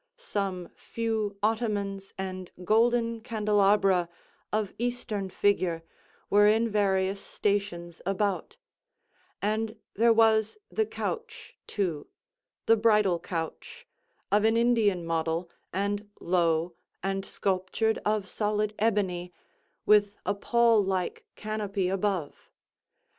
Some few ottomans and golden candelabra, of Eastern figure, were in various stations about—and there was the couch, too—bridal couch—of an Indian model, and low, and sculptured of solid ebony, with a pall like canopy above.